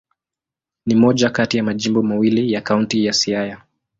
Ni moja kati ya majimbo mawili ya Kaunti ya Siaya.